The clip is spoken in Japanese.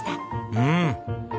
うん。